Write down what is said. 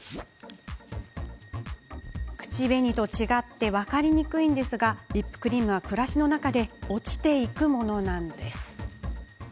口紅と違って分かりにくいですがリップクリームは暮らしの中で落ちていくものなんです。